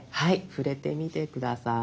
触れてみて下さい。